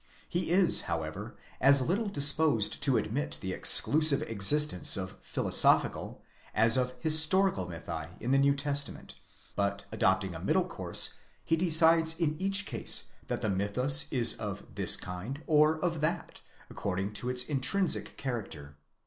He is however as little disposed to admit the exclusive existence of philosophical, as of historical mythi in the New Testament, but adopting a middle course, he decides in each case that the mythus is of this kind or of that according to its intrinsic character.